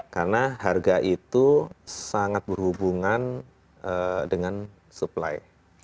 karena harga itu sangat berhubungan dengan supply